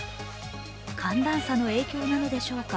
寒暖差の影響なのでしょうか